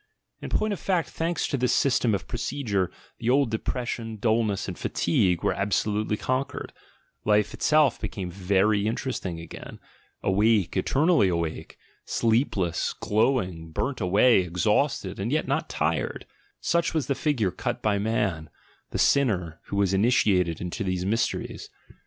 In point of fact, thanks to this system of procedure, the old depression, dullness, and fatigue were absolutely con quered, life itself became very interesting again, awake, eternally awake, sleepless, glowing, burnt away, exhausted and yet not tired — such was the figure cut by man, "the sinner," who was initiated into these mysteries.